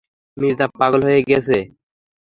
মির্জা পাগল হয়ে গেছে।